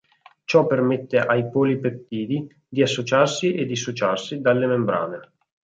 Ciò permette ai polipeptidi di associarsi e dissociarsi dalle membrane.